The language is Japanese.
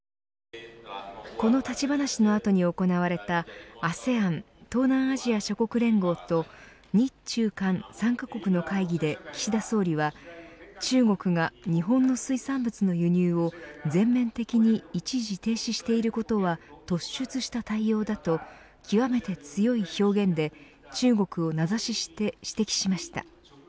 この立ち話の後に行われたＡＳＥＡＮ＝東南アジア諸国連合と日中韓３カ国の会議で岸田総理は、中国が日本の水産物の輸入を全面的に一時停止していることは突出した対応だと極めて強い表現で中国を名指しして指摘しました。